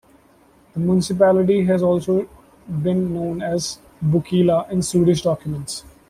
The municipality has also been known as "Buckila" in Swedish documents.